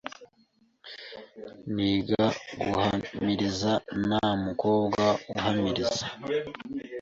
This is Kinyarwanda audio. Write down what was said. niga guhamiriza nta mukobwa uhamiriza,